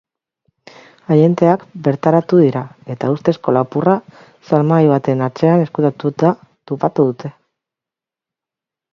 Agenteak bertaratu dira, eta ustezko lapurra salmahai baten atzean ezkutatuta topatu dute.